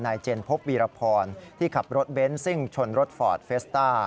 เจนพบวีรพรที่ขับรถเบนท์ซิ่งชนรถฟอร์ดเฟสต้า